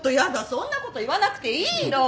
そんな事言わなくていいの！